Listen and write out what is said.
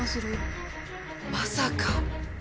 まさか。